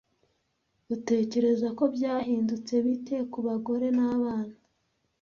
Utekereza ko byahindutse bite ku bagore n'abana?